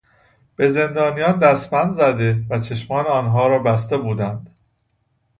به زندانیان دستبند زده و چشمان آنها را بسته بودند.